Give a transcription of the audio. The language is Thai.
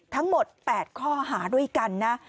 ทั้งหมด๘ข้อหาด้วยกันนะ